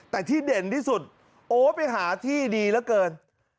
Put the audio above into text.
แต่ที่เด่นที่สุดโอ้ไปหาที่ดีเหลือเกิน